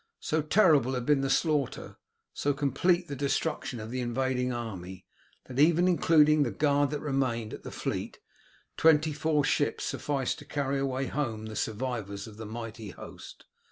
So terrible had been the slaughter, so complete the destruction of the invading army, that, even including the guard that remained at the fleet, twenty four ships sufficed to carry away home the survivors of the mighty host.